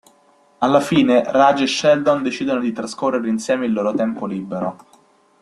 Alla fine Raj e Sheldon decidono di trascorrere insieme il loro tempo libero.